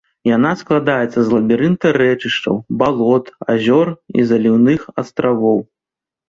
Яна складаецца з лабірынта рэчышчаў, балот, азёр і заліўных астравоў.